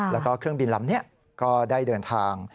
แล้วก็เครื่องบินลำนี้ก็ได้เดินทาง